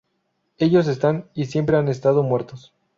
Ellos están, y siempre han estado, muertos"".